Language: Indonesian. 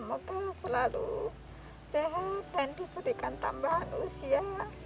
semoga selalu sehat dan diberikan tambahan usia